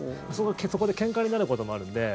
そこでけんかになることもあるので。